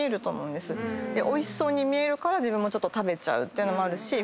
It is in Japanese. おいしそうに見えるから自分も食べちゃうのもあるし。